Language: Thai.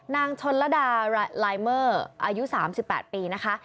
นางชนระดาลายเมอร์อายุ๓๘ปีนะคะ